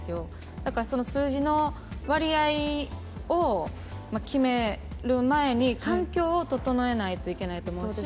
だからその数字の割合を決める前に、環境を整えないといけないと思うし、